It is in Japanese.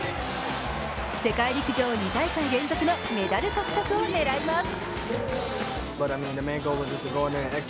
世界陸上２大会連続のメダル獲得を狙います。